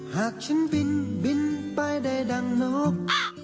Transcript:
หากฉันบินไปใดดังนก